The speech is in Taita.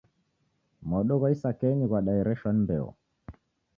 Modo gha masakenyi ghwadaereshwa ni mbeo.